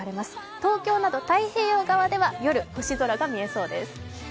東京など太平洋側では夜、星空が見えそうです。